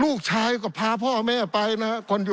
ลูกชายก็พาพ่อแม่ไปเหลือเฟื้อ